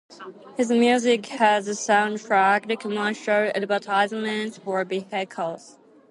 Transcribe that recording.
His music has soundtracked commercial advertisements for vehicles.